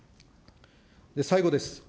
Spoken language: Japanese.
最後です。